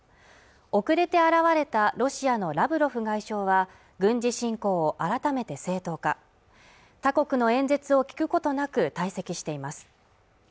遅れて現れたロシアのラブロフ外相は軍事侵攻を改めて正当化他国の演説を聞くことなく退席しています